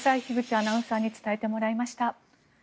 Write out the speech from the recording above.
樋口アナウンサーに伝えてもらいました。